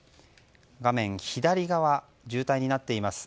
画面左側、渋滞になっています。